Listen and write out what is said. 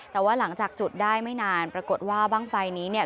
แต่ว่าหลังจากจุดได้ไม่นานปรากฏว่าบ้างไฟนี้เนี่ย